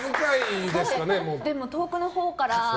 遠くのほうから。